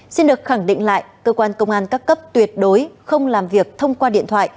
xin được khẳng định lại cơ quan công an các cấp tuyệt đối không làm việc thông qua điện thoại